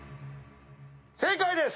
正解です！